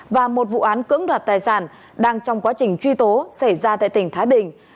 và một vụ án cưỡng đoạt tài sản đang trong quá trình truy tố xảy ra tại tỉnh thái bình